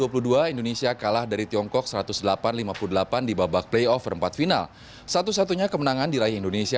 perbasi akan mencari pemain pemain keturunan indonesia yang ada di luar negeri untuk bisa ke indonesia